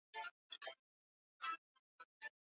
Hesabu ya sekondari ni rahisi sana